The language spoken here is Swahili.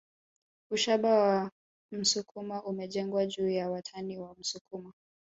Ushamba wa msukuma umejengwa juu ya watani wa msukuma